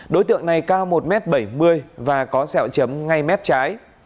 đối tượng này cao một m bảy mươi và có sẹo chấm ngay mép trái